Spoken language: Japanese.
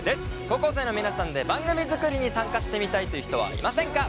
高校生の皆さんで番組作りに参加してみたいという人はいませんか？